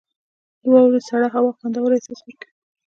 • د واورې سړه هوا خوندور احساس ورکوي.